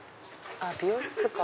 美容室か。